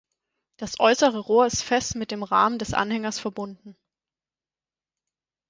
Das äußere Rohr ist fest mit dem Rahmen des Anhängers verbunden.